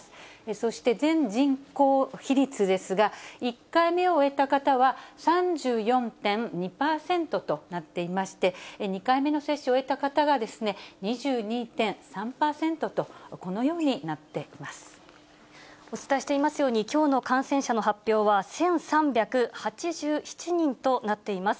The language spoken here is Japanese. そして全人口比率ですが、１回目を終えた方は３４．２％となっていまして、２回目の接種を終えた方が２２．３％と、お伝えしていますように、きょうの感染者の発表は１３８７人となっています。